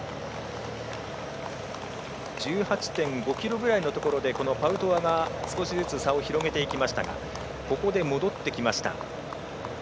１８．５ｋｍくらいのところでパウトワが少しずつ差を広げていきましたがここで戻ってきました。